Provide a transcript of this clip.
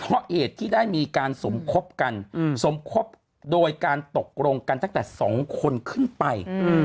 เพราะเหตุที่ได้มีการสมคบกันสมคบโดยการตกลงกันตั้งแต่๒คนขึ้นไป